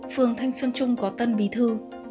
phương thanh xuân trung có tân bí thư